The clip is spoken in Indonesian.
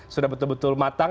sudah betul betul matang